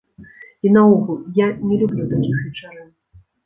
І наогул, я не люблю такіх вечарын.